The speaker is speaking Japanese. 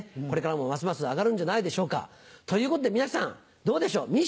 これからもますます上がるんじゃないでしょうかということで皆さんどうでしょう？